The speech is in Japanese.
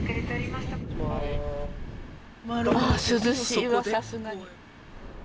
ああ涼しいわさすがに。